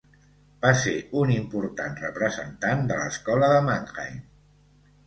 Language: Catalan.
Va ser un important representant de l'escola de Mannheim.